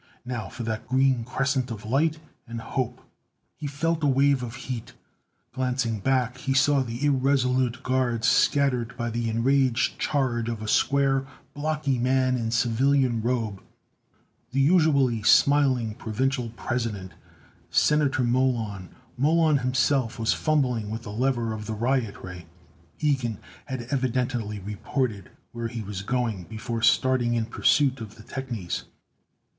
Now for that green crescent of light, and hope! He felt a wave of heat. Glancing back, he saw the irresolute guards scattered by the enraged charge of a square, blocky man in civilian robe the usually smiling Provisional President, Senator Mollon. Mollon himself was fumbling with the lever of the riot ray. Ilgen had evidently reported where he was going before starting in pursuit of the technies.